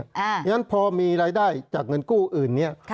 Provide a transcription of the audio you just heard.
เพราะฉะนั้นพอมีรายได้จากเงินกู้อื่นนี้